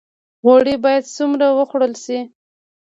غوړي باید څومره وخوړل شي؟